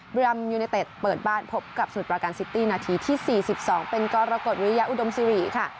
เรียรัมยูเนเตสเปิดบ้านพบกับสมุดประการซิตี้นาทีที่สี่สิบสองเป็นกรกฎวิยาอุดมซีวีค่ะ